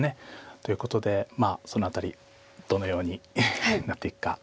ということでその辺りどのようになっていくか。